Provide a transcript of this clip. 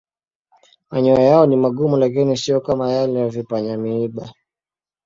Manyoya yao ni magumu lakini siyo kama yale ya vipanya-miiba.